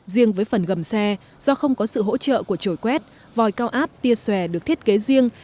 riêng với phần gầm xe do không có sự hỗ trợ của trổi quét vòi cao áp tia xòe được thiết kế riêng